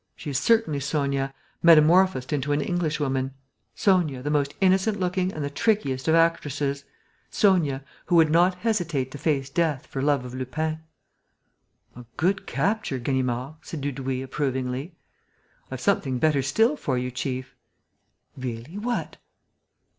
She is certainly Sonia, metamorphosed into an Englishwoman; Sonia, the most innocent looking and the trickiest of actresses; Sonia, who would not hesitate to face death for love of Lupin." "A good capture, Ganimard," said M. Dudouis, approvingly. "I've something better still for you, chief!" "Really? What?"